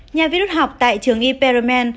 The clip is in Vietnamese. nhà viết đút học tại trường e perriman